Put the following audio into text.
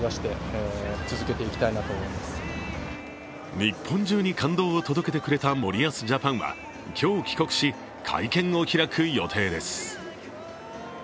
日本中に感動を届けてくれた森保ジャパンは今日、帰国し会見を開く予定です。